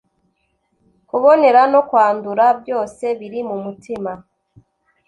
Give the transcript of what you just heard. Kubonera no kwandura byose biri mu mutima.